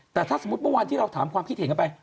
แต่ถ้าสมมุติเมื่อวานที่เราถามความคิดเห็นกันไป